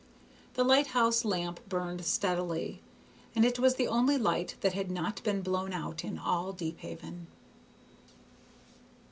The lighthouse lamp burned steadily, and it was the only light that had not been blown out in all Deephaven.